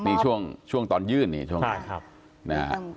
นี่ครับมีช่วงตอนยื่นนี่ช่วงนี้